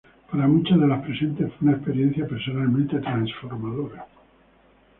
Para muchas de las presentes fue una experiencia personalmente transformadora.